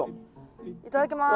いただきます。